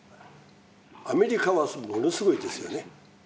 アメリカはものすごいですよね。